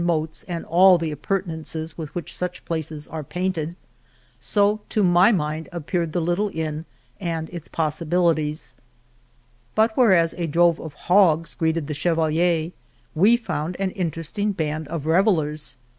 moats, and all the appurtenances with which such places are painted." So to my mind appeared the little inn and its pos sibilities. But whereas a drove of hogs greeted the chevalier, we found an interesting band of revellers.